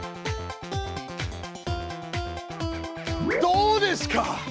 どうですか？